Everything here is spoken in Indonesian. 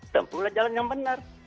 tempuhlah jalan yang benar